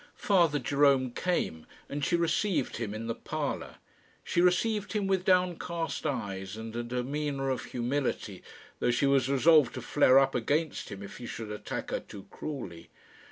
Father Jerome came, and she received him in the parlour. She received him with downcast eyes and a demeanour of humility, though she was resolved to flare up against him if he should attack her too cruelly.